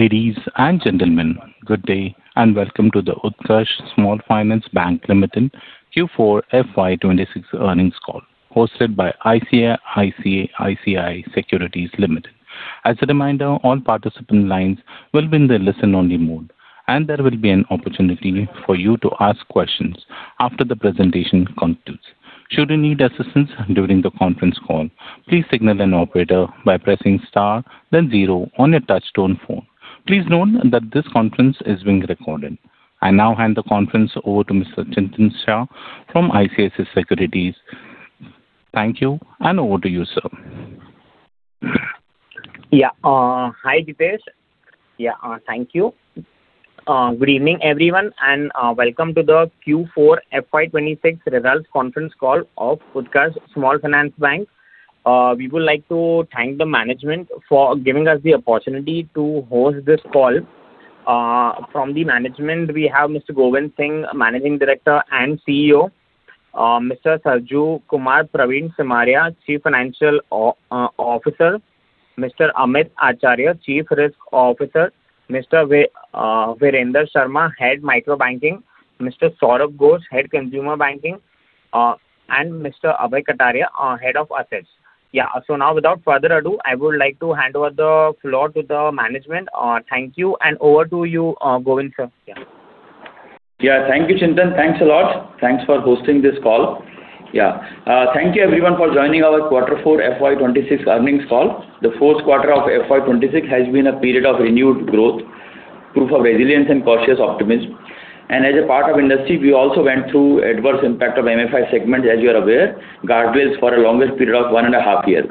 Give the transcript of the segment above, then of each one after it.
Ladies and gentlemen, good day, and welcome to the Utkarsh Small Finance Bank Limited Q4 FY 2026 earnings call hosted by ICICI Securities Limited. As a reminder, all participant lines will be in the listen-only mode, and there will be an opportunity for you to ask questions after the presentation concludes. Should you need assistance during the conference call, please signal an operator by pressing star, then zero on your touchtone phone. I now hand the conference over to Mr. Chintan Shah from ICICI Securities. Thank you, and over to you, sir. Yeah, hi, Dipesh. Yeah, thank you. Good evening, everyone, and welcome to the Q4 FY 2026 results conference call of Utkarsh Small Finance Bank. We would like to thank the management for giving us the opportunity to host this call. From the management, we have Mr. Govind Singh, Managing Director and CEO, Mr. Sarjukumar Pravin Simaria, Chief Financial Officer, Mr. Amit Acharya, Chief Risk Officer, Mr. Virender Sharma, Head Micro Banking, Mr. Sourabh Ghosh, Head Consumer Banking, and Mr. Abhay Kataria, Head of Assets. Now without further ado, I would like to hand over the floor to the management. Thank you and over to you, Govind sir. Thank you, Chintan. Thanks a lot. Thanks for hosting this call. Thank you everyone for joining our quarter 4 FY 2026 earnings call. The fourth quarter of FY 2026 has been a period of renewed growth, proof of resilience and cautious optimism. As a part of industry, we also went through adverse impact of MFI segment, as you are aware, guardrails for a longest period of one and a half year.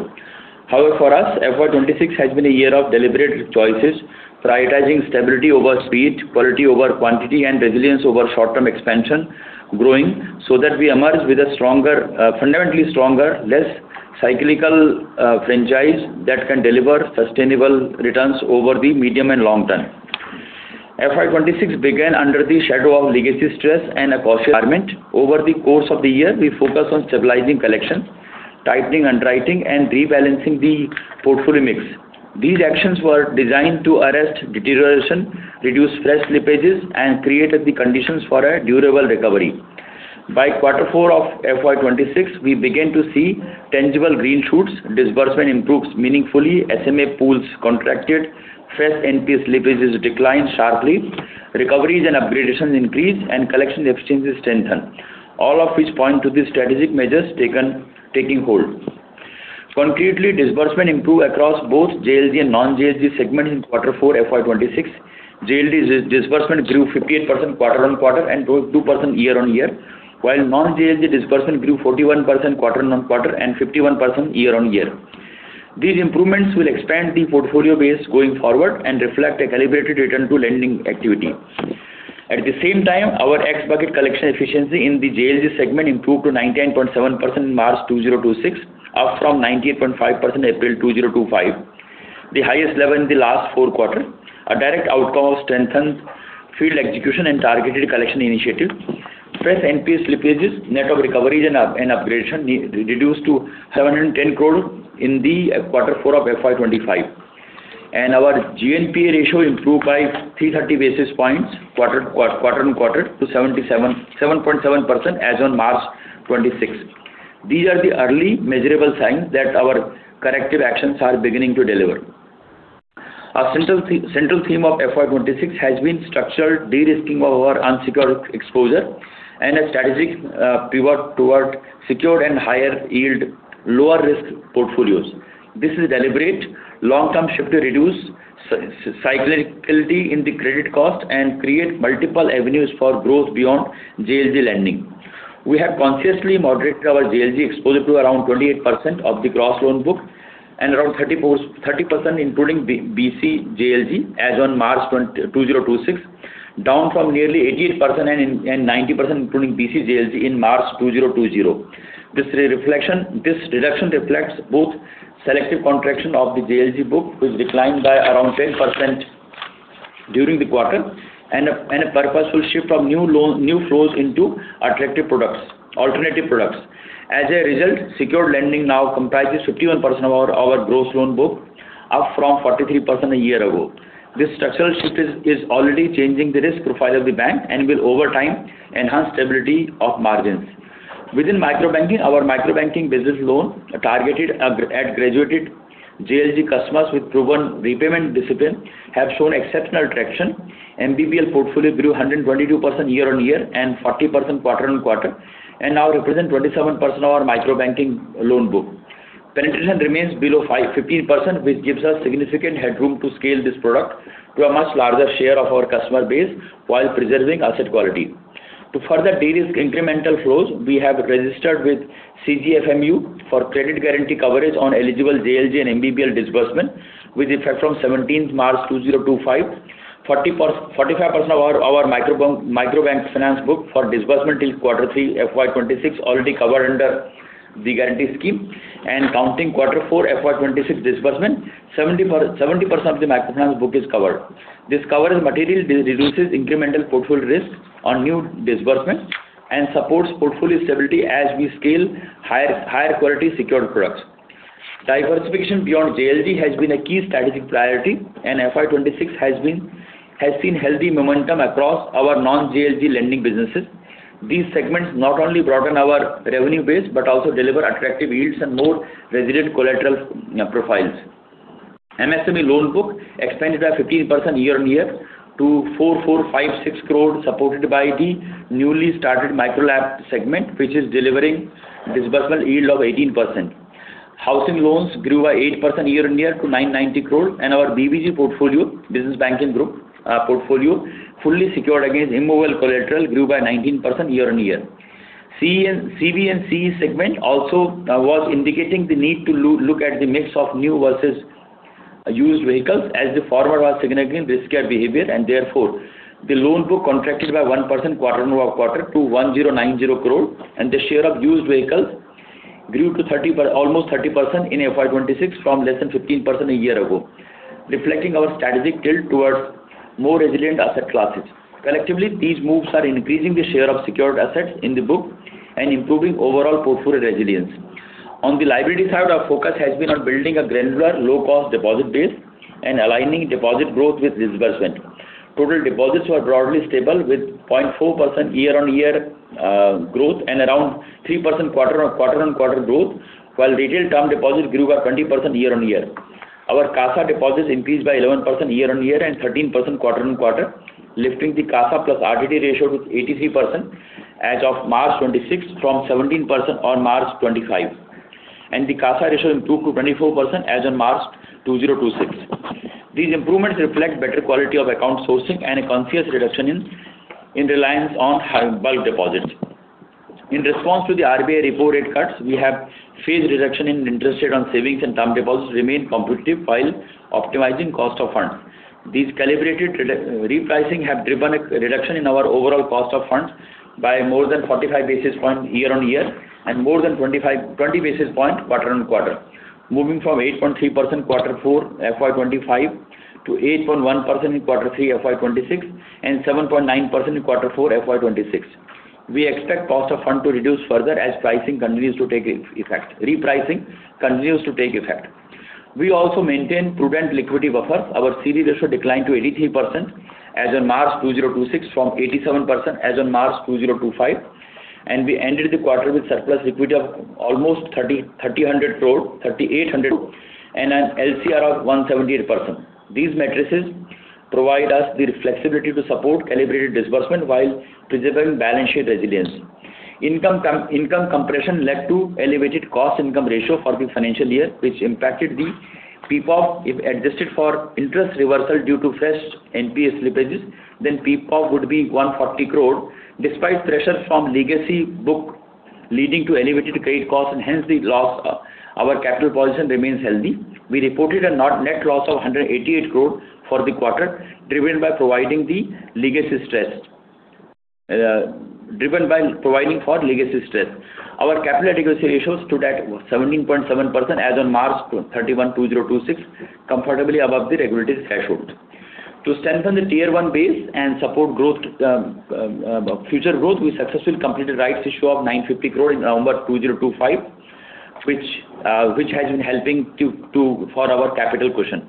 However, for us, FY 2026 has been a year of deliberate choices, prioritizing stability over speed, quality over quantity, and resilience over short-term expansion, growing so that we emerge with a fundamentally stronger, less cyclical franchise that can deliver sustainable returns over the medium and long term. FY 2026 began under the shadow of legacy stress and a cautious environment. Over the course of the year, we focused on stabilizing collections, tightening underwriting, and rebalancing the portfolio mix. These actions were designed to arrest deterioration, reduce fresh slippages, and created the conditions for a durable recovery. By quarter four of FY 2026, we began to see tangible green shoots, disbursement improved meaningfully, SMA pools contracted, fresh NPA slippages declined sharply, recoveries and upgradations increased, and collection efficiencies strengthened, all of which point to the strategic measures taken, taking hold. Concretely, disbursement improved across both JLG and non-JLG segment in quarter four FY 2026. JLG disbursement grew 58% quarter-on-quarter and grew 2% year-on-year, while non-JLG disbursement grew 41% quarter-on-quarter and 51% year-on-year. These improvements will expand the portfolio base going forward and reflect a calibrated return to lending activity. At the same time, our ex-bucket collection efficiency in the JLG segment improved to 98.7% in March 2026, up from 98.5% April 2025, the highest level in the last four quarter, a direct outcome of strengthened field execution and targeted collection initiatives. Fresh NPA slippages, net of recoveries and upgradation reduced to 710 crore in the Q4 of FY 2025. Our GNPA ratio improved by 330 basis points quarter on quarter to 7.7% as on March 26. These are the early measurable signs that our corrective actions are beginning to deliver. Our central theme of FY 2026 has been structured de-risking of our unsecured exposure and a strategic pivot toward secured and higher yield, lower risk portfolios. This is a deliberate long-term shift to reduce cyclicality in the credit cost and create multiple avenues for growth beyond JLG lending. We have consciously moderated our JLG exposure to around 28% of the gross loan book and around 30% including BC JLG as on March 2026, down from nearly 88% and 90% including BC JLG in March 2020. This reduction reflects both selective contraction of the JLG book, which declined by around 10% during the quarter, and a purposeful shift from new flows into attractive products, alternative products. As a result, secured lending now comprises 51% of our gross loan book, up from 43% a year ago. This structural shift is already changing the risk profile of the bank and will over time enhance stability of margins. Within micro banking, our Microbanking Business Loan targeted at graduated JLG customers with proven repayment discipline have shown exceptional traction. MBBL portfolio grew 122% year-on-year and 40% quarter-on-quarter and now represent 27% of our micro banking loan book. Penetration remains below 15%, which gives us significant headroom to scale this product to a much larger share of our customer base while preserving asset quality. To further de-risk incremental flows, we have registered with CGFMU for credit guarantee coverage on eligible JLG and MBBL disbursement with effect from March 17, 2025. 45% of our micro bank finance book for disbursement till quarter 3 FY 2026 already covered under the guarantee scheme. Counting quarter 4 FY 2026 disbursement, 70% of the microfinance book is covered. This coverage materially reduces incremental portfolio risk on new disbursements and supports portfolio stability as we scale higher quality secured products. Diversification beyond JLG has been a key strategic priority, FY 2026 has seen healthy momentum across our non-JLG lending businesses. These segments not only broaden our revenue base, also deliver attractive yields and more resilient collateral profiles. MSME loan book expanded by 15% year-on-year to 4,456 crore, supported by the newly started Micro LAP segment, which is delivering disbursement yield of 18%. Housing loans grew by 8% year-on-year to 990 crore, and our BBG portfolio, Business Banking Group, portfolio, fully secured against immovable collateral grew by 19% year-on-year. CV and CE segment also was indicating the need to look at the mix of new versus used vehicles as the former was signaling riskier behavior and therefore, the loan book contracted by 1% quarter-over-quarter to 1,090 crore, and the share of used vehicles grew to almost 30% in FY 2026 from less than 15% a year ago, reflecting our strategic tilt towards more resilient asset classes. Collectively, these moves are increasing the share of secured assets in the book and improving overall portfolio resilience. On the liability side, our focus has been on building a granular low cost deposit base and aligning deposit growth with disbursement. Total deposits were broadly stable with 0.4% year on year growth and around 3% quarter on quarter growth, while retail term deposits grew by 20% year on year. Our CASA deposits increased by 11% year on year and 13% quarter on quarter, lifting the CASA plus RTD ratio to 83% as of March 2026 from 17% on March 2025, and the CASA ratio improved to 24% as on March 2026. These improvements reflect better quality of account sourcing and a conscious reduction in reliance on bulk deposits. In response to the RBI repo rate cuts, we have phased reduction in interest rate on savings and term deposits remain competitive while optimizing cost of funds. These calibrated repricing have driven a reduction in our overall cost of funds by more than 45 basis points year-on-year and more than 20 basis point quarter-on-quarter. Moving from 8.3% quarter four FY 2025 to 8.1% in quarter three FY 2026 and 7.9% in quarter four FY 2026. We expect cost of fund to reduce further as pricing continues to take effect. Repricing continues to take effect. We also maintain prudent liquidity buffer. Our CV ratio declined to 83% as on March 2026 from 87% as on March 2025, and we ended the quarter with surplus liquidity of almost 3,800 crore and an LCR of 178%. These matrices provide us the flexibility to support calibrated disbursement while preserving balance sheet resilience. Income compression led to elevated cost income ratio for the financial year, which impacted the PPOP if adjusted for interest reversal due to fresh NPA slippages, then PPOP would be 140 crore despite pressures from legacy book leading to elevated credit cost and hence the loss, our capital position remains healthy. We reported a net loss of 188 crore for the quarter, driven by providing for legacy stress. Our capital adequacy ratio stood at 17.7% as on March 31, 2026, comfortably above the regulatory threshold. To strengthen the Tier 1 base and support future growth, we successfully completed rights issue of 950 crore in November 2025, which has been helping for our capital cushion.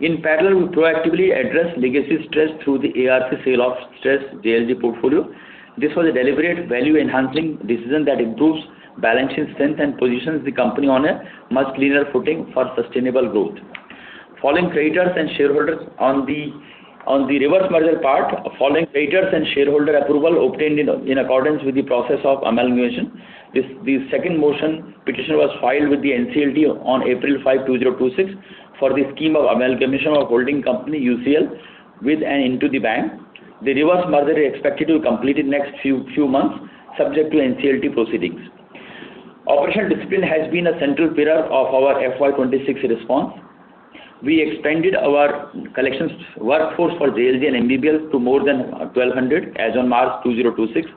In parallel, we proactively address legacy stress through the ARC sale of stressed JLG portfolio. This was a deliberate value-enhancing decision that improves balance sheet strength and positions the company on a much cleaner footing for sustainable growth. Following creditors and shareholders on the reverse merger part, following creditors and shareholder approval obtained in accordance with the process of amalgamation. This, the second motion petition was filed with the NCLT on April 5, 2026 for the scheme of amalgamation of holding company UCL with and into the bank. The reverse merger is expected to complete in next few months, subject to NCLT proceedings. Operational discipline has been a central pillar of our FY 2026 response. We expanded our collections workforce for JLG and MBBL to more than 1,200 as on March 2026,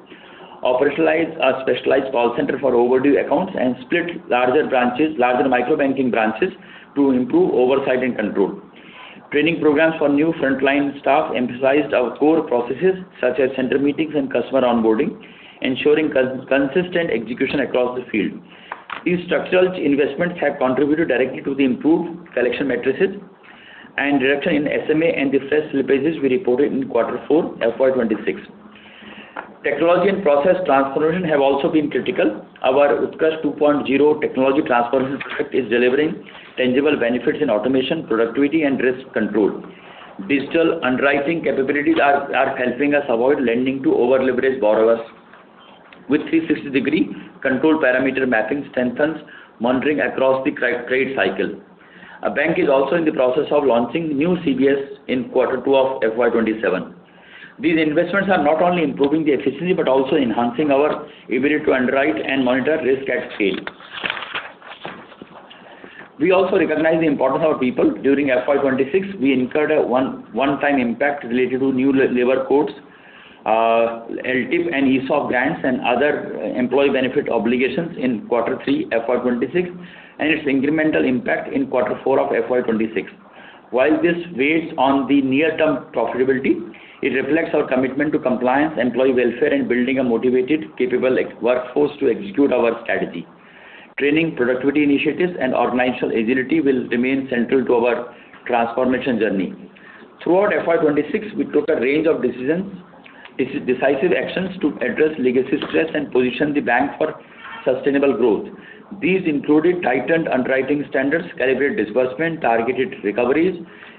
operationalized a specialized call center for overdue accounts and split larger micro-banking branches to improve oversight and control. Training programs for new frontline staff emphasized our core processes such as center meetings and customer onboarding, ensuring consistent execution across the field. These structural investments have contributed directly to the improved collection matrices and reduction of SMA and the fresh slippages we reported in Q4 FY 2026. Technology and process transformation have also been critical. Our Utkarsh 2.0 technology transformation project is delivering tangible benefits in automation, productivity and risk control. Digital underwriting capabilities are helping us avoid lending to over-leveraged borrowers with 360-degree control parameter mapping strengthens monitoring across the credit cycle. Our bank is also in the process of launching new CBS in quarter 2 of FY 2027. These investments are not only improving the efficiency, but also enhancing our ability to underwrite and monitor risk at scale. We also recognize the importance of our people. During FY 2026, we incurred a one-time impact related to new labor codes, LTIP and ESOP grants and other employee benefit obligations in quarter 3 FY 2026, and its incremental impact in quarter 4 of FY 2026. While this weighs on the near-term profitability, it reflects our commitment to compliance, employee welfare, and building a motivated, capable workforce to execute our strategy. Training, productivity initiatives, and organizational agility will remain central to our transformation journey. Throughout FY 2026, we took a range of decisive actions to address legacy stress and position the bank for sustainable growth. These included tightened underwriting standards, calibrated disbursement, targeted recoveries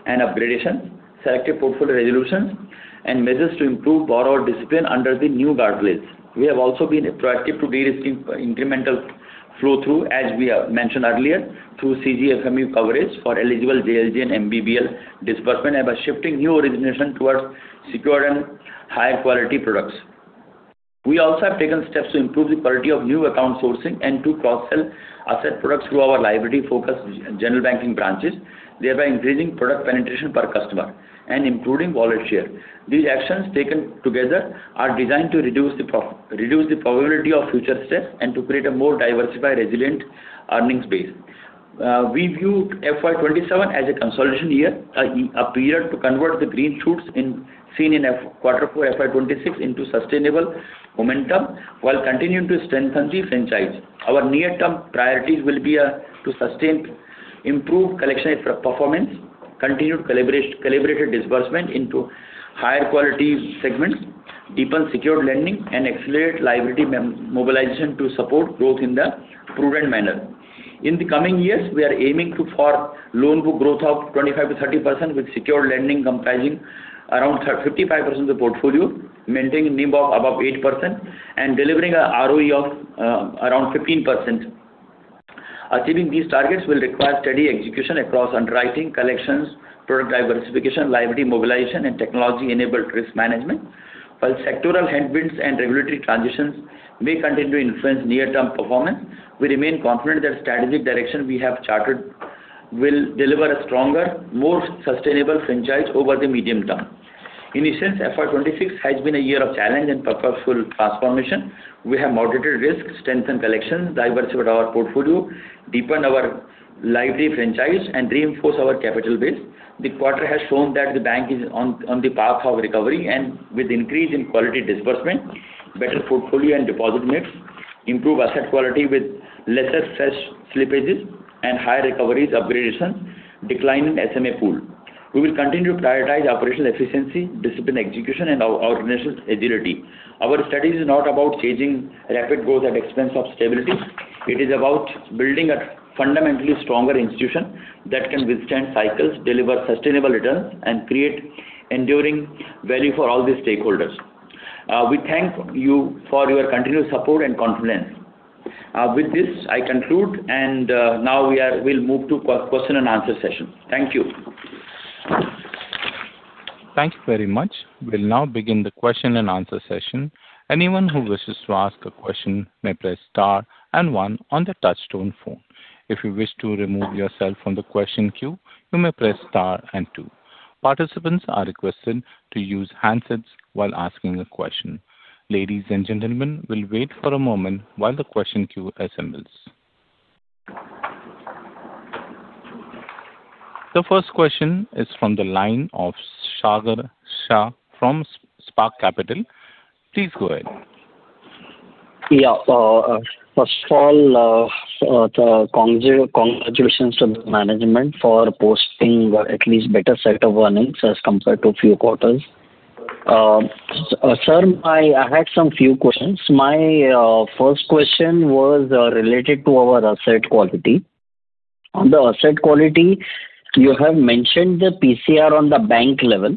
and upgradation, selective portfolio resolutions, and measures to improve borrower discipline under the new guardrails. We have also been proactive to de-risking incremental flow-through, as we have mentioned earlier, through CGFMU coverage for eligible JLG and MBBL disbursement and by shifting new origination towards secured and higher quality products. We also have taken steps to improve the quality of new account sourcing and to cross-sell asset products through our liability-focused general banking branches, thereby increasing product penetration per customer and improving wallet share. These actions taken together are designed to reduce the probability of future stress and to create a more diversified, resilient earnings base. We view FY 2027 as a consolidation year, a period to convert the green shoots seen in quarter 4 FY 2026 into sustainable momentum while continuing to strengthen the franchise. Our near-term priorities will be to sustain improved collection performance, continued calibrated disbursement into higher quality segments, deepen secured lending, and accelerate liability mobilization to support growth in a prudent manner. In the coming years, we are aiming to form loan book growth of 25%-30%, with secured lending comprising around 55% of the portfolio, maintaining NIM of above 8%, and delivering a ROE of around 15%. Achieving these targets will require steady execution across underwriting, collections, product diversification, liability mobilization, and technology-enabled risk management. While sectoral headwinds and regulatory transitions may continue to influence near-term performance, we remain confident that strategic direction we have chartered will deliver a stronger, more sustainable franchise over the medium term. In essence, FY 2026 has been a year of challenge and purposeful transformation. We have moderated risks, strengthened collections, diversified our portfolio, deepened our lively franchise, and reinforced our capital base. The quarter has shown that the bank is on the path of recovery and with increase in quality disbursement, better portfolio and deposit mix, improved asset quality with lesser stress slippages and higher recoveries upgradation, decline in SMA pool. We will continue to prioritize operational efficiency, disciplined execution, and organizational agility. Our strategy is not about chasing rapid growth at expense of stability. It is about building a fundamentally stronger institution that can withstand cycles, deliver sustainable returns, and create enduring value for all the stakeholders. We thank you for your continued support and confidence. With this, I conclude, and now we'll move to question and answer session. Thank you. Thank you very much. We'll now begin the question and answer session. Anyone who will ask a questions you may press star and one on the touchtone phone. If you wish to remove yourself from the question queue, you may press star and two. Participants are requested to use handsets while asking a question. Ladies and gentlemen, we'll wait for a moment while the question queue assembles. The first question is from the line of Sagar Shah from Spark Capital. Please go ahead. First of all, congratulations to the management for posting at least better set of earnings as compared to a few quarters. Sir, I had some few questions. My first question was related to our asset quality. On the asset quality, you have mentioned the PCR on the bank level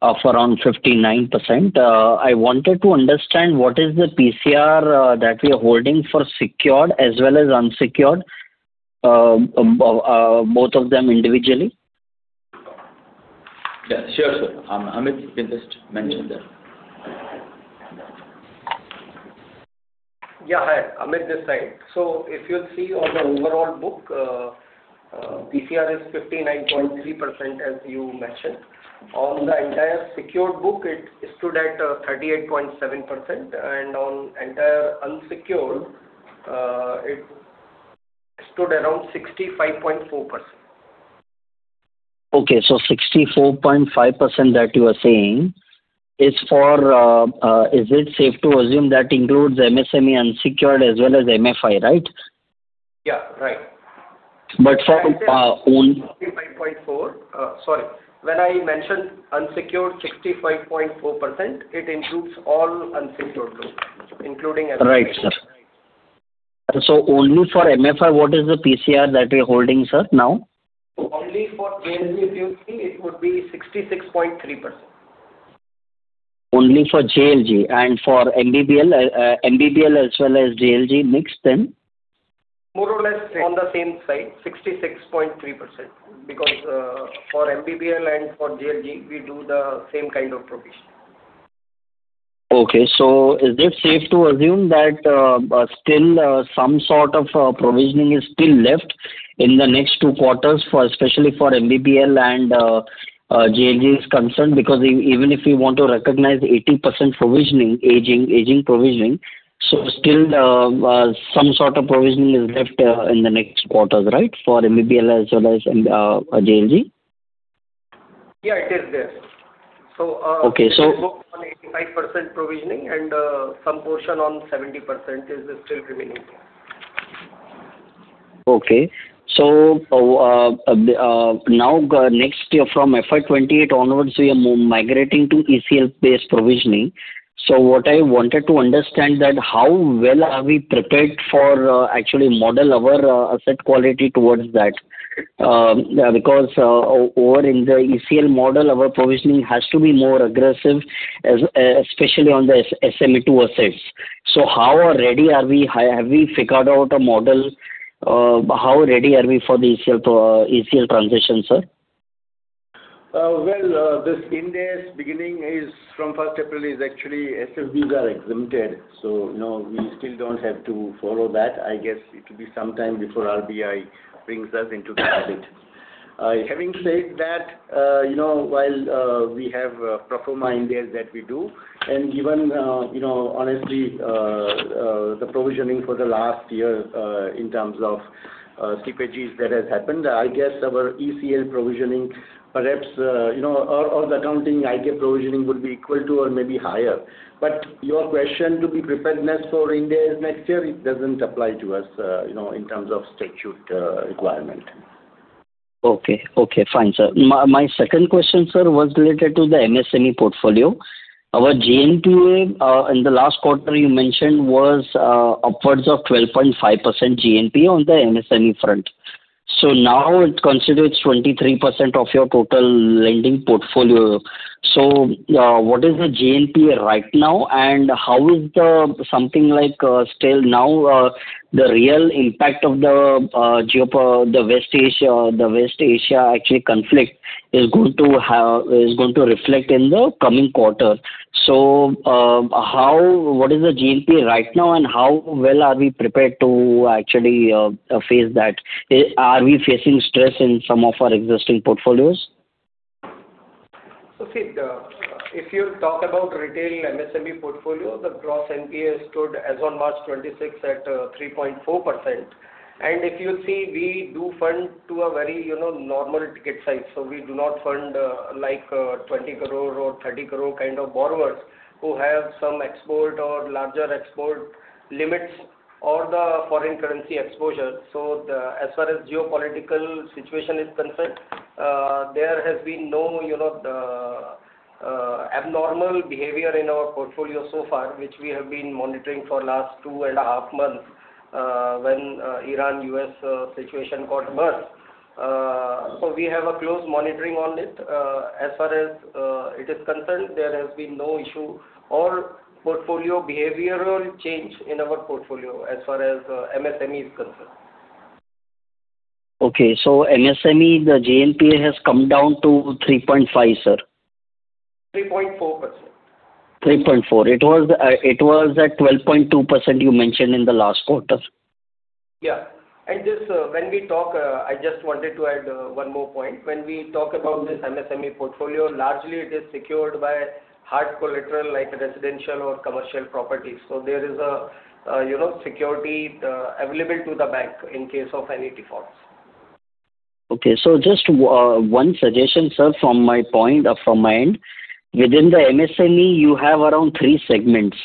of around 59%. I wanted to understand what is the PCR that we are holding for secured as well as unsecured, both of them individually. Yeah. Sure, sir. Amit can just mention that. Yeah, hi. Amit this side. If you'll see on the overall book, PCR is 59.3%, as you mentioned. On the entire secured book, it stood at 38.7%, and on entire unsecured, it stood around 65.4%. Okay. 64.5% that you are saying is for Is it safe to assume that includes MSME unsecured as well as MFI, right? Yeah, right. But for, uh, own- When I mentioned unsecured 65.4%, it includes all unsecured loans, including MFI. Right, sir. Only for MFI, what is the PCR that we're holding, sir, now? Only for JLG, if you see, it would be 66.3%. Only for JLG. For MBBL as well as JLG mixed in? More or less on the same side, 66.3%. For MBBL and for JLG, we do the same kind of provision. Okay. Is it safe to assume that still some sort of provisioning is still left in the next two quarters for, especially for MBBL and JLG is concerned because even if we want to recognize 80% provisioning, aging provisioning, so still some sort of provisioning is left in the next quarters, right, for MBBL as well as JLG? Yeah, it is there. Okay. We booked on 85% provisioning and some portion on 70% is still remaining. Okay. Next year from FY 2028 onwards, we are migrating to ECL-based provisioning. What I wanted to understand that how well are we prepared for actually model our asset quality towards that? Because over in the ECL model, our provisioning has to be more aggressive especially on the SMA 2 assets. How ready are we? Have we figured out a model? How ready are we for the ECL transition, sir? Well, this Ind AS beginning is from first April is actually SFBs are exempted. No, we still don't have to follow that. I guess it will be some time before RBI brings us into that. Having said that, you know, while we have a pro forma Ind AS that we do, and given, you know, honestly, the provisioning for the last year, in terms of 5Gs that has happened, I guess our ECL provisioning, perhaps, you know, or the accounting IT provisioning would be equal to or maybe higher. Your question to be preparedness for Ind AS next year, it doesn't apply to us, you know, in terms of statute requirement. Okay. Okay, fine, sir. My second question, sir, was related to the MSME portfolio. Our GNPA in the last quarter, you mentioned was upwards of 12.5% GNPA on the MSME front. Now it constitutes 23% of your total lending portfolio. What is the GNPA right now and how is the something like, still now, the real impact of the West Asia conflict is going to have is going to reflect in the coming quarter. How what is the GNPA right now and how well are we prepared to actually face that? Are we facing stress in some of our existing portfolios? Sid, if you talk about retail MSME portfolio, the gross NPA stood as on March 26 at 3.4%. If you see, we do fund to a very, you know, normal ticket size. We do not fund, like, 20 crore or 30 crore kind of borrowers who have some export or larger export limits or the foreign currency exposure. As far as geopolitical situation is concerned, there has been no, you know, abnormal behavior in our portfolio so far, which we have been monitoring for last 2.5 months, when Iran-US situation got worse. We have a close monitoring on it. As far as it is concerned, there has been no issue or portfolio behavioral change in our portfolio as far as MSME is concerned. Okay. MSME, the GNPA has come down to 3.5%, sir. 3.4%. 3.4. It was at 12.2% you mentioned in the last quarter. Yeah. This, when we talk, I just wanted to add one more point. When we talk about this MSME portfolio, largely it is secured by hard collateral like residential or commercial properties. There is a, you know, security available to the bank in case of any defaults. Okay. Just one suggestion, sir, from my point or from my end. Within the MSME, you have around three segments.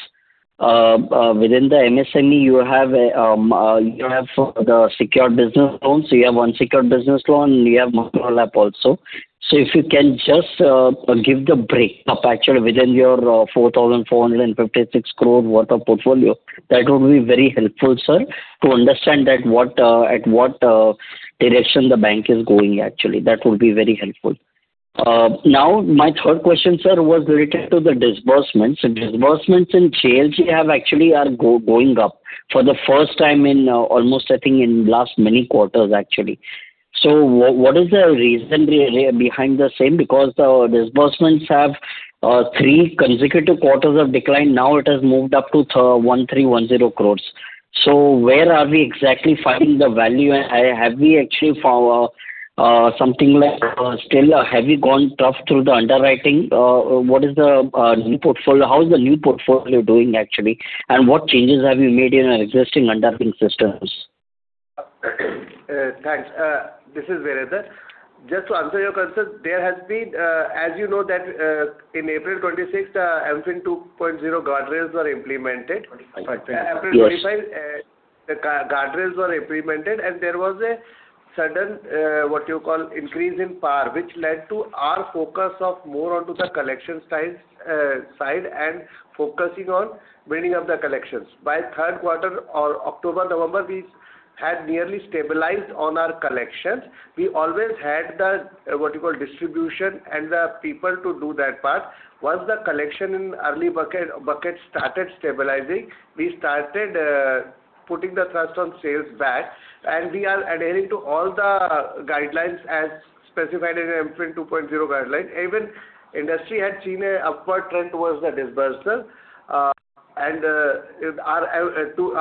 Within the MSME, you have the secured business loans, so you have unsecured business loan, you have Micro LAP also. If you can just give the break up actually within your 4,456 crore worth of portfolio, that would be very helpful, sir, to understand that what, at what direction the bank is going actually. That would be very helpful. Now my third question, sir, was related to the disbursements. Disbursements in JLG have actually are going up for the first time in almost I think in last many quarters, actually. What is the reason behind the same? Because our disbursements have three consecutive quarters of decline. Now it has moved up to 1,310 crores. Where are we exactly finding the value? Have we actually found something like still, have you gone tough through the underwriting? What is the new portfolio? How is the new portfolio doing actually? What changes have you made in your existing underwriting systems? Thanks. This is Virender. Just to answer your question, there has been, as you know that, in April 26th, MFIN 2.0 guardrails were implemented. Yes. April 25, the guardrails were implemented and there was a sudden, what you call, increase in par, which led to our focus of more onto the collection side and focusing on building up the collections. By 3rd quarter or October, November, we had nearly stabilized on our collections. We always had the, what you call, distribution and the people to do that part. Once the collection in early bucket started stabilizing, we started putting the thrust on sales back and we are adhering to all the guidelines as specified in MFIN 2.0 guidelines. Even industry had seen a upward trend towards the disbursal. Our to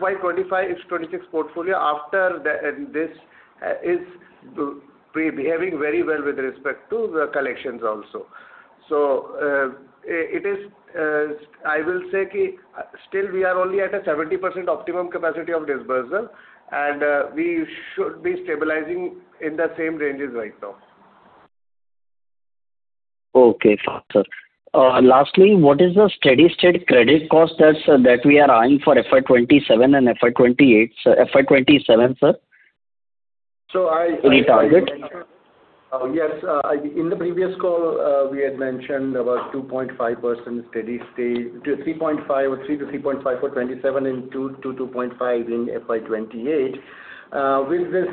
FY 2025 is 26 portfolio after the this is behaving very well with respect to the collections also. It is I will say still we are only at a 70% optimum capacity of disbursement and we should be stabilizing in the same ranges right now. Okay, sir. Lastly, what is the steady-state credit cost that, sir, that we are eyeing for FY 2027 and FY 2028. Sir, FY 2027, sir? So I- Retarget. Yes. In the previous call, we had mentioned about 2.5% steady state to 3.5% or 3%-3.5% for FY 2027 and 2%-2.5% in FY 2028. With this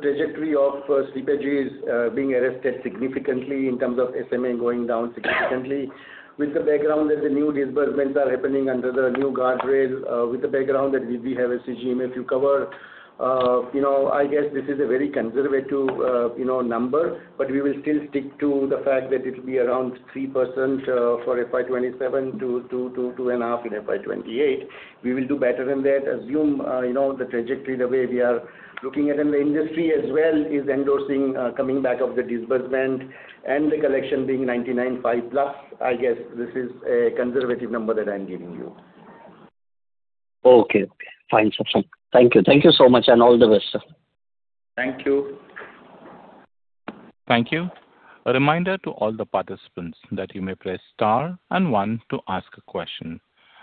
trajectory of slippages being arrested significantly in terms of SMA going down significantly, with the background that the new disbursements are happening under the new guardrail, with the background that we have a CGFMU cover, you know, I guess this is a very conservative, you know, number, but we will still stick to the fact that it will be around 3% for FY 2027, to 2.5% in FY 2028. We will do better than that. Assume, you know, the trajectory the way we are looking at them. The industry as well is endorsing coming back of the disbursement and the collection being 99.5% plus. I guess this is a conservative number that I am giving you. Okay. Fine, sir. Thank you. Thank you so much and all the best, sir. Thank you. Thank you. A reminder to all the participants that you may press star and one to ask a question.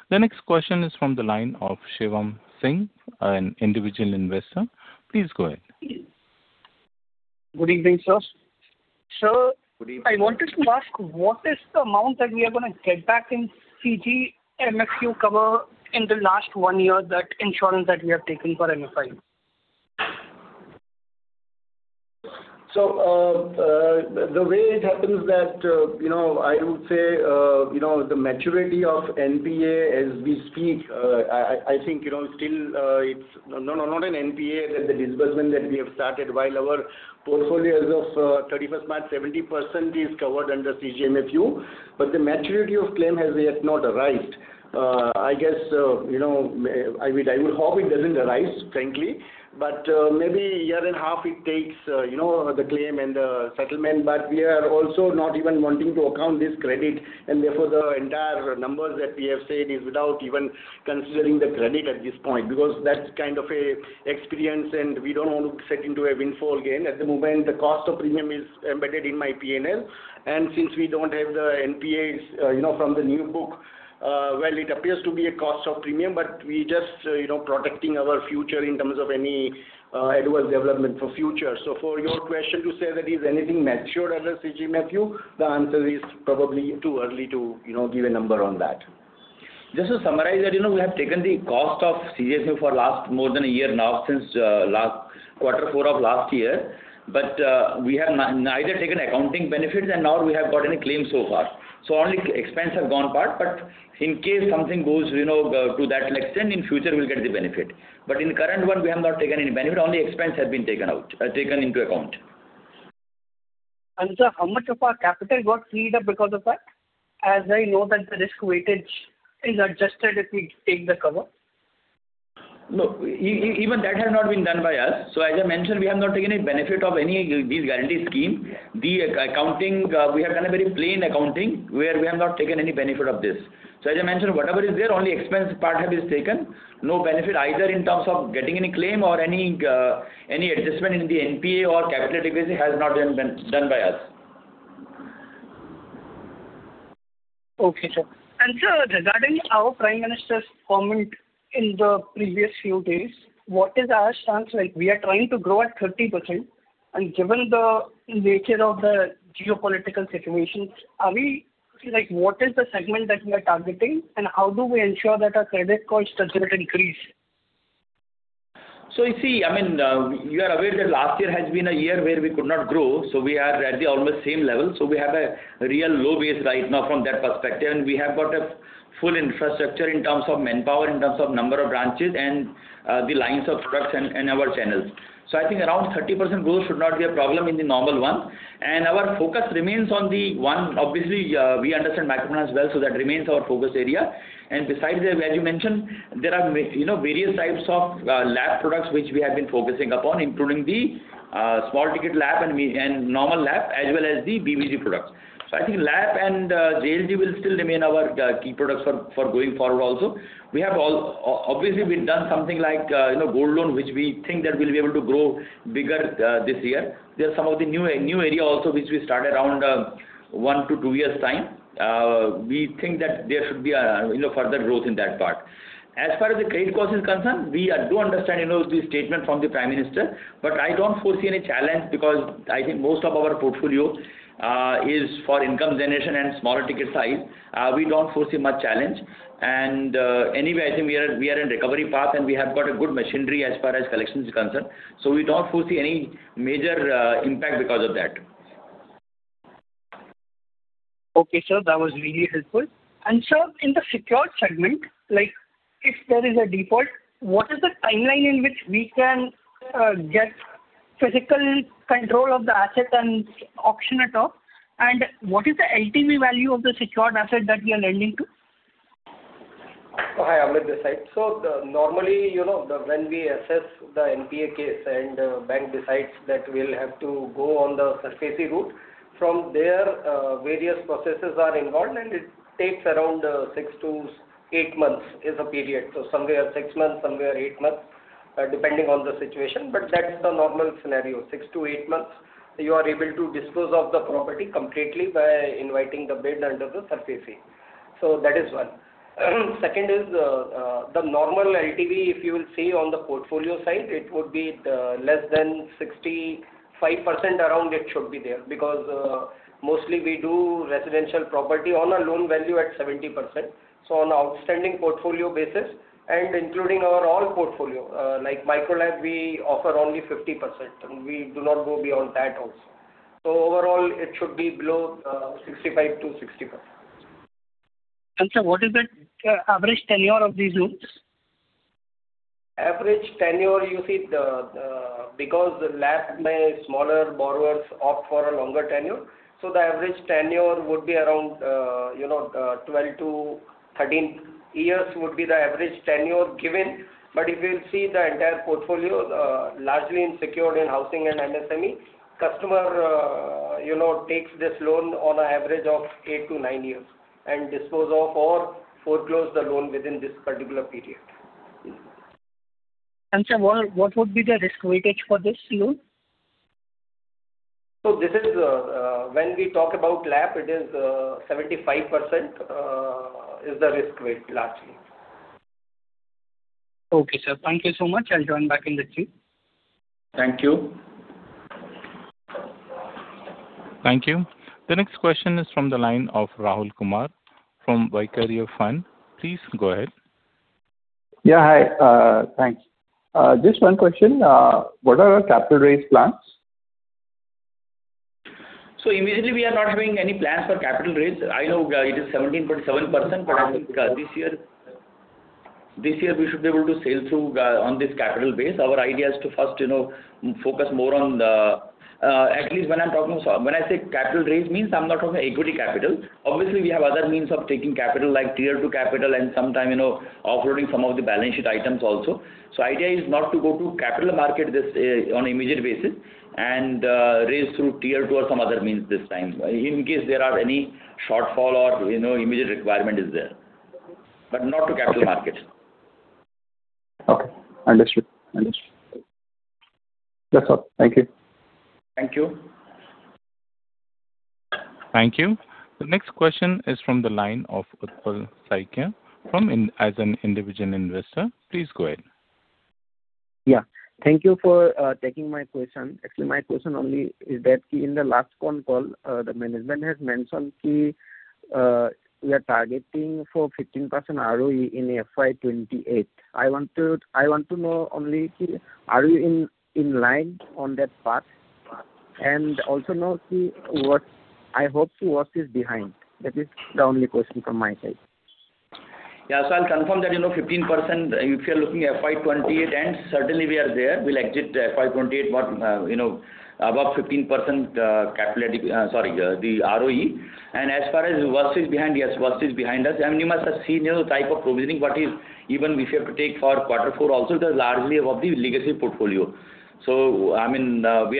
The next question is from the line of Shivam Singh, an individual investor. Please go ahead. Good evening, sir. Good evening. I wanted to ask, what is the amount that we are gonna get back in CGFMU cover in the last one year that insurance that we have taken for MFI? The way it happens that, you know, I would say, you know, the maturity of NPA as we speak, I think, you know, still, it's not an NPA that the disbursement that we have started while our portfolios of 31st March 70% is covered under CGFMU, but the maturity of claim has yet not arrived. I guess, you know, may, I would hope it doesn't arise, frankly, but maybe a year and a half it takes, you know, the claim and settlement. We are also not even wanting to account this credit and therefore the entire numbers that we have said is without even considering the credit at this point, because that's kind of a experience, and we don't want to set into a windfall gain. At the moment, the cost of premium is embedded in my P&L, and since we don't have the NPAs, you know, from the new book, well, it appears to be a cost of premium, but we just, you know, protecting our future in terms of any adverse development for future. For your question to say that is anything matured under CGFMU, the answer is probably too early to, you know, give a number on that. Just to summarize that, you know, we have taken the cost of CGFMU for last more than a year now since last quarter four of last year. We have neither taken accounting benefits nor we have got any claim so far. Only expense have gone part, but in case something goes, you know, to that extent, in future we'll get the benefit. In current one we have not taken any benefit, only expense has been taken out, taken into account. Sir, how much of our capital got freed up because of that? I know that the risk weightage is adjusted if we take the cover. No. Even that has not been done by us. As I mentioned, we have not taken any benefit of any, these guarantee scheme. The accounting, we have done a very plain accounting, where we have not taken any benefit of this. As I mentioned, whatever is there, only expense part has been taken. No benefit either in terms of getting any claim or any adjustment in the NPA or capital adequacy has not been done by us. Okay, sir. Sir, regarding our Prime Minister's comment in the previous few days, what is our stance like? We are trying to grow at 30% and given the nature of the geopolitical situations, what is the segment that we are targeting, and how do we ensure that our credit cost doesn't increase? You see, I mean, you are aware that last year has been a year where we could not grow, so we are at the almost same level. We have a real low base right now from that perspective. We have got a full infrastructure in terms of manpower, in terms of number of branches and the lines of products and our channels. I think around 30% growth should not be a problem in the normal one. Our focus remains on the one. Obviously, we understand macro as well, so that remains our focus area. Besides that, as you mentioned, there are you know, various types of LAP products which we have been focusing upon, including the small ticket LAP and normal LAP as well as the BBG products. I think LAP and JLG will still remain our key products for going forward also. We have obviously we've done something like, you know, Gold Loan, which we think that we'll be able to grow bigger this year. There are some of the new area also which we start around 1 to 2 years' time. We think that there should be a, you know, further growth in that part. As far as the credit cost is concerned, we do understand, you know, the statement from the Prime Minister, but I don't foresee any challenge because I think most of our portfolio is for income generation and smaller ticket size. We don't foresee much challenge. Anyway, I think we are in recovery path, and we have got a good machinery as far as collection is concerned. We don't foresee any major impact because of that. Okay, sir. That was really helpful. Sir, in the secured segment. If there is a default, what is the timeline in which we can get physical control of the asset and auction it off? What is the LTV value of the secured asset that we are lending to? Hi. Amit Acharya. Normally, you know, when we assess the NPA case and bank decides that we'll have to go on the SARFAESI route, from there, various processes are involved and it takes around 6 to 8 months is a period. Somewhere six months, somewhere eight months, depending on the situation. That is the normal scenario, six to eight months you are able to dispose of the property completely by inviting the bid under the SARFAESI. That is one. Second is, the normal LTV if you will see on the portfolio side, it would be less than 65% around it should be there because mostly we do residential property on a loan value at 70%. On outstanding portfolio basis and including our all portfolio, like Micro LAP we offer only 50% and we do not go beyond that also. Overall it should be below 65%-60%. Sir, what is the average tenure of these loans? Average tenure you see the because the LAP may smaller borrowers opt for a longer tenure, so the average tenure would be around, you know, 12-13 years would be the average tenure given. But if you will see the entire portfolio, largely in secured in housing and MSME, customer, you know, takes this loan on an average of 8-9 years and dispose off or foreclose the loan within this particular period. Sir, what would be the risk weightage for this loan? This is when we talk about LAP, it is 75% is the risk weight largely. Okay, sir. Thank you so much. I'll join back in the queue. Thank you. Thank you. The next question is from the line of Rahul Kumar from Vaikarya Fund. Please go ahead. Yeah. Hi, thanks. Just one question. What are our capital raise plans? Immediately we are not having any plans for capital raise. I know, it is 17.7% but I think, this year we should be able to sail through on this capital base. Our idea is to first, you know, focus more on the at least when I'm talking, so when I say capital raise means I'm not talking equity capital. Obviously, we have other means of taking capital like tier two capital and sometime, you know, offloading some of the balance sheet items also. Idea is not to go to capital market this on immediate basis and raise through tier two or some other means this time, in case there are any shortfall or, you know, immediate requirement is there. Not to capital market. Okay. Understood. Understood. That's all. Thank you. Thank you. Thank you. The next question is from the line of Utpal Saikia as an individual investor. Please go ahead. Yeah. Thank you for taking my question. Actually my question only is that in the last con call, the management has mentioned, we are targeting for 15% ROE in FY 2028. I want to know only are you in line on that path? Also now see what I hope to what is behind. That is the only question from my side. Yeah. I'll confirm that, you know, 15% if you're looking FY 2028 and certainly we are there. We'll exit FY 2028 what, you know, above 15% capitalistic, sorry, the ROE. As far as what is behind, yes, what is behind us. I mean, you must have seen, you know, type of provisioning what is even if you have to take for quarter four also, it is largely of the legacy portfolio. I mean, we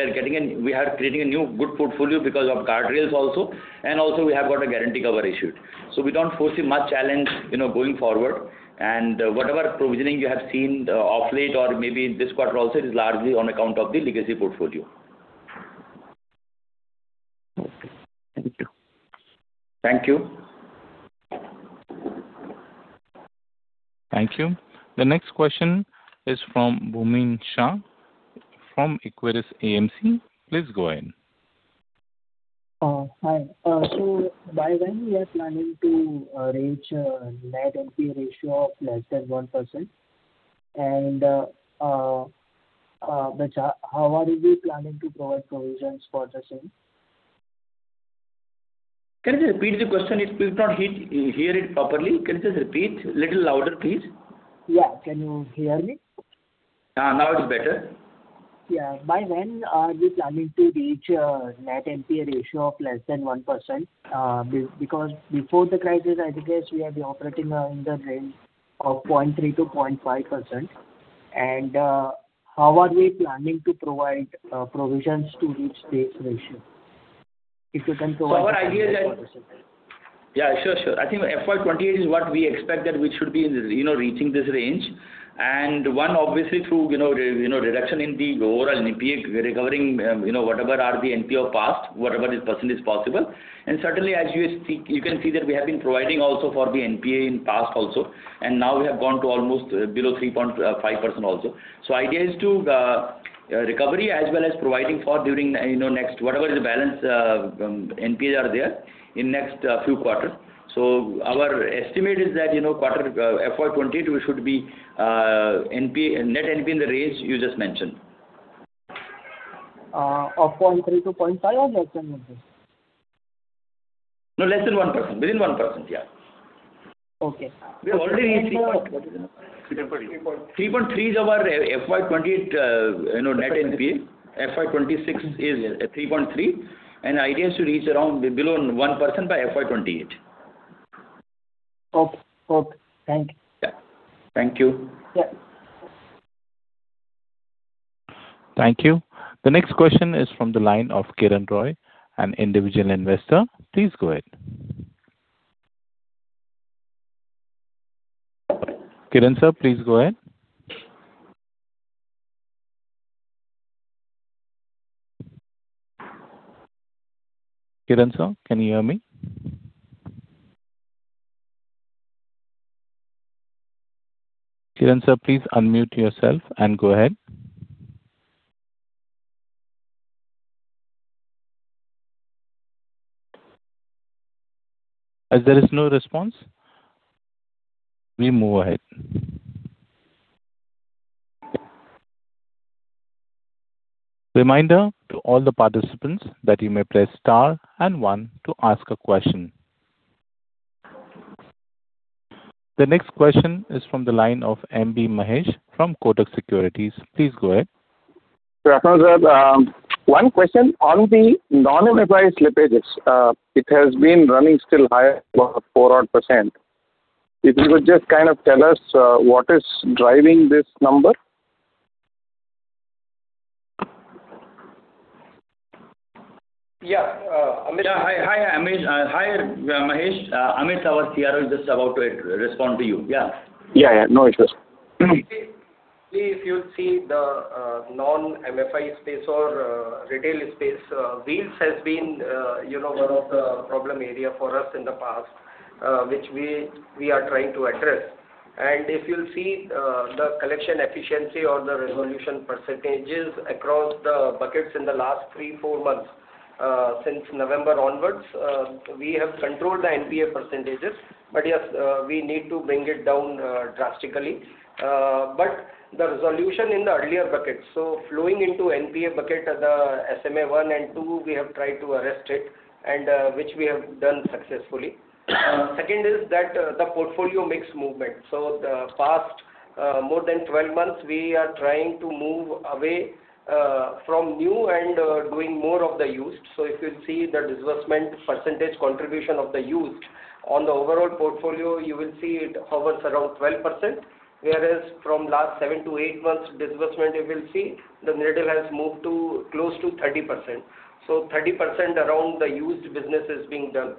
are creating a new good portfolio because of guardrails also. Also we have got a guarantee cover issued. We don't foresee much challenge, you know, going forward. Whatever provisioning you have seen, off late or maybe this quarter also is largely on account of the legacy portfolio. Okay. Thank you. Thank you. Thank you. The next question is from Bhavin Shah from Equirus AMC. Please go ahead. Hi. By when we are planning to reach net NPA ratio of less than 1% and how are you planning to provide provisions for the same? Can you just repeat the question? Please not hear it properly. Can you just repeat little louder, please? Yeah. Can you hear me? Now it is better. Yeah. By when are you planning to reach net NPA ratio of less than 1%? Because before the crisis I think as we are operating in the range of 0.3%-0.5%, and how are we planning to provide provisions to reach this ratio? If you can provide some more. Our idea that Yeah, sure. I think FY 2028 is what we expect that we should be in, you know, reaching this range and one obviously through, you know, reduction in the overall NPA recovering, whatever are the NPA of past, whatever is % is possible. Certainly as you see, you can see that we have been providing also for the NPA in past also. Now we have gone to almost below 3.5% also. Idea is to recovery as well as providing for during next whatever is the balance NPAs are there in next few quarter. Our estimate is that quarter FY 2028 we should be net NPA in the range you just mentioned. Of 0.3 to 0.5 or less than that? No, less than 1%. Within 1%. Yeah. Okay. We already reached three point- Three point- 3.3 is our FY 2028, you know, net NPA. FY 2026 is 3.3, and it has to reach around below 1% by FY 2028. Okay. Okay. Thank you. Yeah. Thank you. Yeah. Thank you. The next question is from the line of Kiran Roy, an individual investor. Please go ahead. Kiran, sir, please go ahead. Kiran, sir, can you hear me? Kiran, sir, please unmute yourself and go ahead. As there is no response, we move ahead. Reminder to all the participants that you may press star and one to ask a question. The next question is from the line of M. B. Mahesh from Kotak Securities. Please go ahead. Prasanna, sir, one question. On the non-MFI slippages, it has been running still high, about 4 odd %. If you would just kind of tell us, what is driving this number? Yeah. Amit. Yeah. Hi, Amit. Hi, Mahesh. Amit, our CRO, is just about to respond to you. Yeah. Yeah, yeah. No issues. If you see the non-MFI space or retail space, Wheels has been, you know, one of the problem area for us in the past, which we are trying to address. If you see the collection efficiency or the resolution percentages across the buckets in the last three, four months, since November onwards, we have controlled the NPA percentages. Yes, we need to bring it down drastically. The resolution in the earlier buckets. Flowing into NPA bucket, the SMA one and two, we have tried to arrest it and which we have done successfully. Second is that the portfolio makes movement. The past more than 12 months, we are trying to move away from new and doing more of the used. If you see the disbursement percentage contribution of the used on the overall portfolio, you will see it hovers around 12%. Whereas from last seven to eight months disbursement, you will see the needle has moved to close to 30%. 30% around the used business is being done.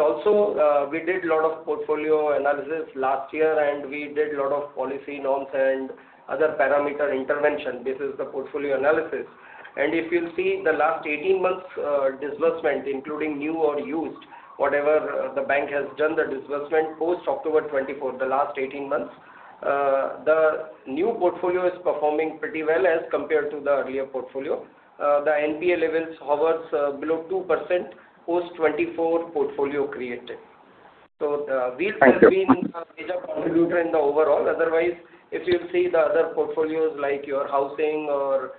Also, we did lot of portfolio analysis last year, and we did lot of policy norms and other parameter intervention basis the portfolio analysis. If you see the last 18 months', disbursement, including new or used, whatever the bank has done, the disbursement post October 2024, the last 18 months, the new portfolio is performing pretty well as compared to the earlier portfolio. The NPA levels hovers below 2% post 2024 portfolio created. Thank you. -have been a major contributor in the overall. Otherwise, if you see the other portfolios like your Housing or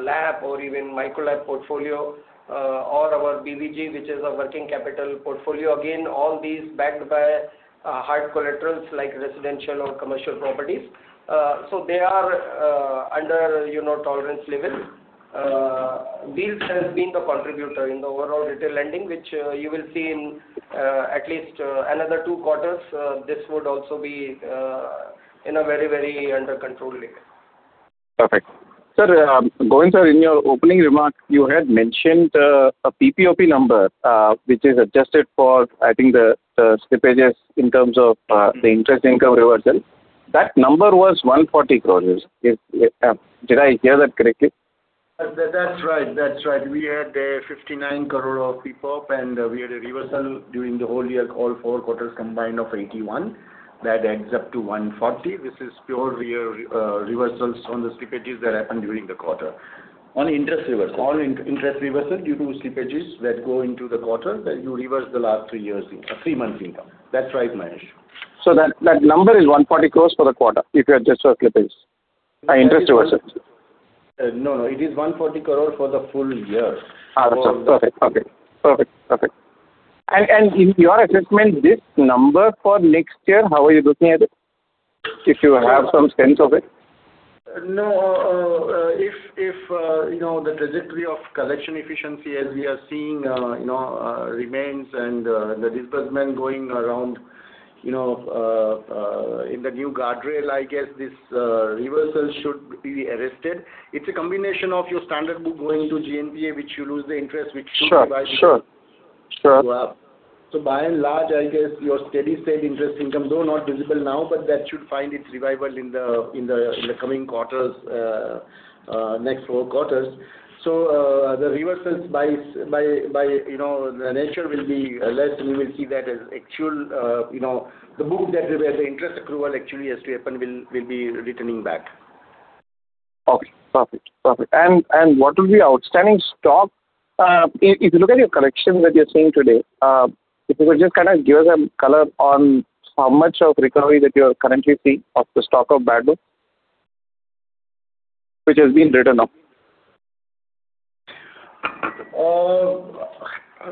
LAP or even Micro LAP portfolio, or our BBG, which is a working capital portfolio, again, all these backed by hard collaterals like residential or commercial properties. They are under, you know, tolerance levels. Wheels has been the contributor in the overall retail lending, which you will see in at least another 2 quarters. This would also be in a very under control level. Perfect. Sir, Govind sir, in your opening remarks you had mentioned a PPOP number, which is adjusted for, I think, the slippages in terms of the interest income reversal. That number was 140 crores. Did I hear that correctly? That's right. That's right. We had 59 crore of PPOP, and we had a reversal during the whole year, all four quarters combined of 81. That adds up to 140, which is pure year reversals on the slippages that happened during the quarter. On interest reversal. On interest reversal due to slippages that go into the quarter that you reverse the last 3 years income or 3 months income. That's right, Mahesh. That number is 140 crores for the quarter if you adjust for slippage, interest reversals. No, no. It is 140 crore for the full year. That's all. Perfect. Okay. Perfect. Perfect. In your assessment, this number for next year, how are you looking at it, if you have some sense of it? No. If, you know, the trajectory of collection efficiency as we are seeing, you know, remains and the disbursement going around, you know, in the new guardrail, I guess this reversal should be arrested. It's a combination of your standard book going into GNPA, which you lose the interest. Sure, sure. Sure. -go up. By and large, I guess your steady state interest income, though not visible now, but that should find its revival in the, in the, in the coming quarters, next four quarters. The reversals by, you know, the nature will be less. We will see that as actual, you know, the book that where the interest accrual actually has to happen will be returning back. Perfect. Perfect. Perfect. What will be outstanding stock? If you look at your collection that you're seeing today, if you could just kind of give us a color on how much of recovery that you're currently seeing of the stock of bad debt which has been written off?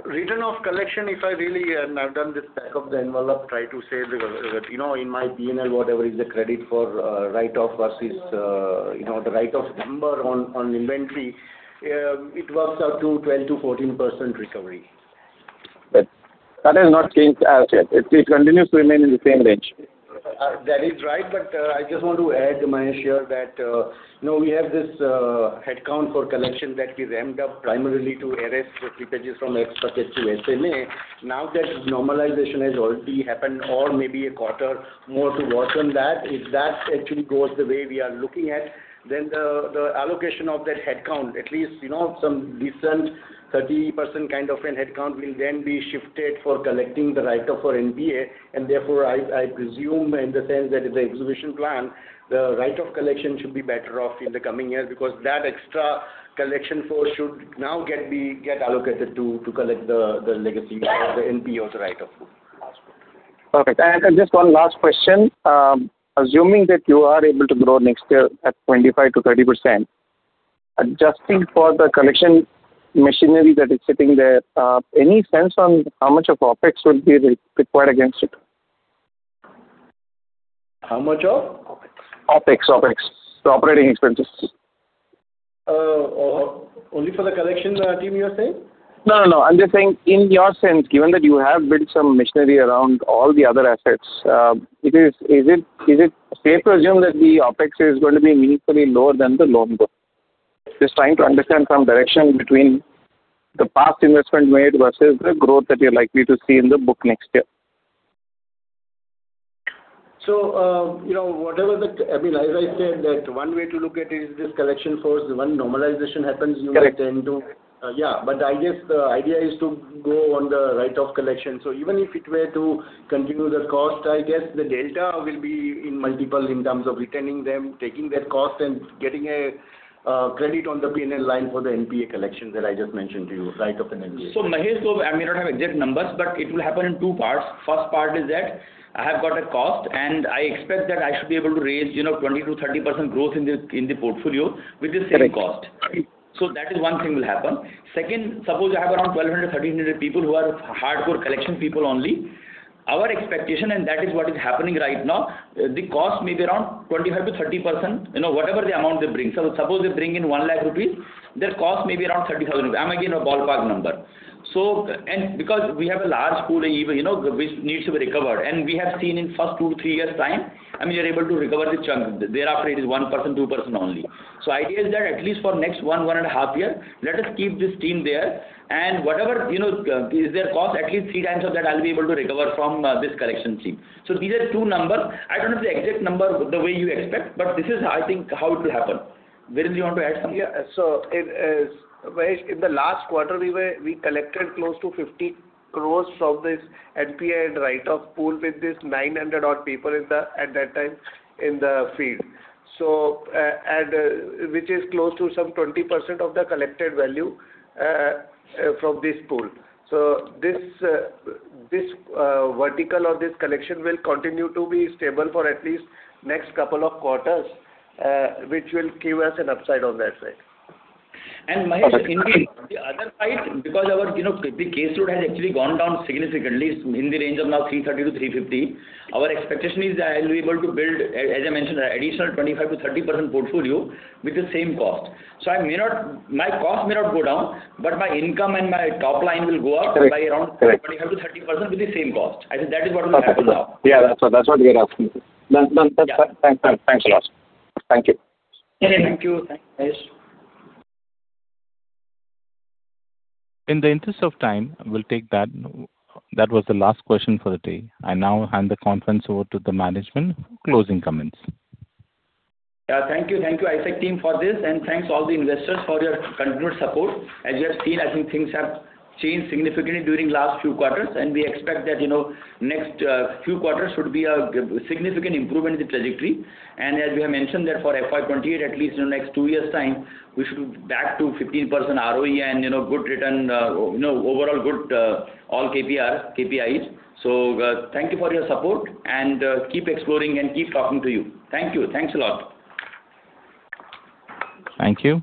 Written off collection, and I've done this back of the envelope try to say the, you know, in my P&L, whatever is the credit for, write-off versus, you know, the write-off number on inventory, it works out to 12%-14% recovery. That has not changed as yet. It continues to remain in the same range. That is right. I just want to add, Mahesh, here that, you know, we have this headcount for collection that we ramped up primarily to erase the creepages from X but it's SMA. That normalization has already happened or maybe a quarter more to work on that. If that actually goes the way we are looking at, the allocation of that headcount, at least, you know, some decent 30% kind of an headcount will then be shifted for collecting the write-off for NPA. I presume in the sense that it's an execution plan, the write-off collection should be better off in the coming years because that extra collection force should now get allocated to collect the legacy or the NPA as a write-off. Perfect. Just 1 last question. Assuming that you are able to grow next year at 25%-30%, adjusting for the collection machinery that is sitting there, any sense on how much of OpEx will be re-required against it? How much of? OpEx. The operating expenses. Only for the collection team you are saying? No, no. I'm just saying in your sense, given that you have built some machinery around all the other assets, is it fair to assume that the OpEx is going to be meaningfully lower than the loan book? Just trying to understand some direction between the past investment made versus the growth that you're likely to see in the book next year. You know, I mean, as I said that one way to look at it is this collection force. When normalization happens, you may tend to. Correct. Yeah. I guess the idea is to go on the write-off collection. Even if it were to continue the cost, I guess the data will be in multiple in terms of retaining them, taking that cost and getting a credit on the P&L line for the NPA collection that I just mentioned to you, write-off and NPA. Mahesh, so I may not have exact numbers, but it will happen in two parts. First part is that I have got a cost, and I expect that I should be able to raise, you know, 20%-30% growth in the, in the portfolio with the same cost. Correct. That is 1 thing will happen. Second, suppose I have around 1,200, 1,300 people who are hardcore collection people only. Our expectation, and that is what is happening right now, the cost may be around 25%-30%, you know, whatever the amount they bring. Suppose they bring in 1 lakh rupees, their cost may be around 30,000 rupees. I'm again a ballpark number. Because we have a large pool even, you know, which needs to be recovered, and we have seen in first 2-3 years' time, I mean, we are able to recover the chunk. Thereafter, it is 1 person, 2 person only. Idea is that at least for next one and a half year, let us keep this team there and whatever, you know, is their cost, at least three times of that I'll be able to recover from this collection team. These are 2 number. I don't know the exact number the way you expect, but this is how I think how it will happen. Viren, do you want to add something? Yeah. It is, Mahesh, in the last quarter we collected close to 50 crores from this NPA and write-off pool with this 900 odd people in the, at that time, in the field. Which is close to some 20% of the collected value from this pool. This vertical or this collection will continue to be stable for at least next couple of quarters, which will give us an upside on that side. Mahesh- Okay. Indeed, the other side because our, you know, the case load has actually gone down significantly in the range of now 330-350. Our expectation is that I'll be able to build, as I mentioned, additional 25%-30% portfolio with the same cost. My cost may not go down, but my income and my top line will go up. Correct. Correct. By around 25%-30% with the same cost. I think that is what will happen now. Yeah, that's what we are asking. Done. Yeah. Thanks, Mahesh. Thanks a lot. Thank you. Yeah, yeah. Thank you. Thanks, Mahesh. In the interest of time, we will take that. That was the last question for the day. I now hand the conference over to the management closing comments. Thank you. Thank you, ICICI team, for this, and thanks all the investors for your continued support. As you have seen, I think things have changed significantly during last few quarters, and we expect that, you know, next few quarters should be a significant improvement in the trajectory. As we have mentioned that for FY 2028, at least in the next two years' time, we should be back to 15% ROE and, you know, good return, you know, overall good, all KPI, KPIs. Thank you for your support, and keep exploring and keep talking to you. Thank you. Thanks a lot. Thank you.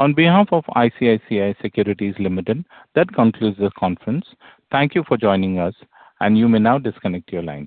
On behalf of ICICI Securities Limited, that concludes the conference. Thank you for joining us, and you may now disconnect your lines.